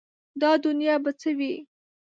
دا دنیا به څه وي ؟